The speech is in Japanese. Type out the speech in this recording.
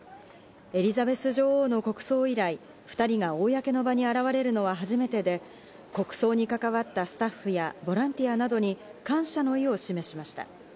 エリザベス女王の国葬以来、２人が公の場に現れるのは初めてで、国葬に関わったスタッフやボランティアなどに感謝の意を示しました。